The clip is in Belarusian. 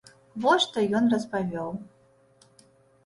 Вось што ён распавёў.